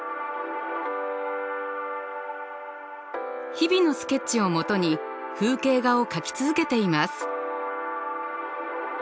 日々のスケッチをもとに風景画を描き続けています。